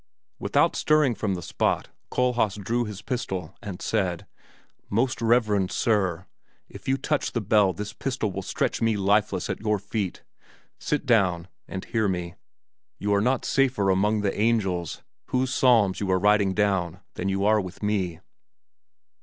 Without stirring from the spot Kohlhaas drew his pistol and said, "Most reverend Sir, if you touch the bell this pistol will stretch me lifeless at your feet! Sit down and hear me. You are not safer among the angels, whose psalms you are writing down, than you are with me."